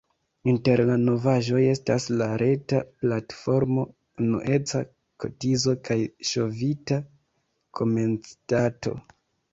Inter la novaĵoj estas la reta platformo, unueca kotizo kaj ŝovita komencdato.